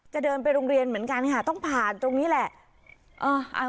เดินไปโรงเรียนเหมือนกันค่ะต้องผ่านตรงนี้แหละ